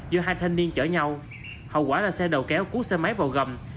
do hai thanh niên chở nhau hậu quả là xe đầu kéo cú xe máy vào gầm